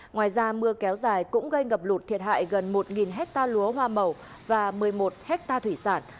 ngoài ra mưa kéo dài cũng gây ngập lụt thiệt hại gần một hectare lúa hoa màu và một mươi một hectare thủy sản